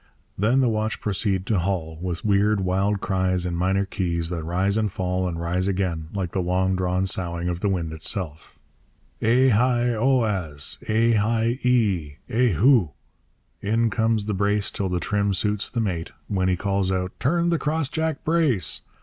Then the watch proceed to haul, with weird, wild cries in minor keys that rise and fall and rise again, like the long drawn soughing of the wind itself. Eh heigh o az! Eh heigh ee! Eh hugh! In comes the brace till the trim suits the mate, when he calls out 'Turn the crossjack brace!'